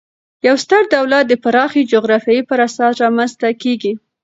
یو ستر دولت د پراخي جغرافیې پر اساس رامنځ ته کیږي.